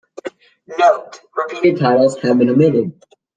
"Note: repealed titles have been omitted"